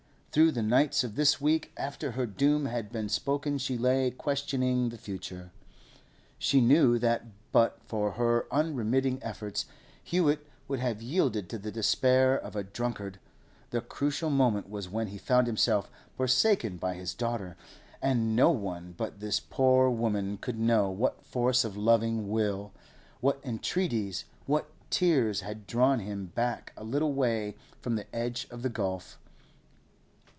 Through the nights of this week after her doom had been spoken she lay questioning the future. She knew that but for her unremitting efforts Hewett would have yielded to the despair of a drunkard; the crucial moment was when he found himself forsaken by his daughter, and no one but this poor woman could know what force of loving will, what entreaties, what tears, had drawn him back a little way from the edge of the gulf.